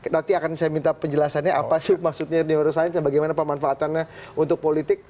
nanti akan saya minta penjelasannya apa sih maksudnya neuroscience dan bagaimana pemanfaatannya untuk politik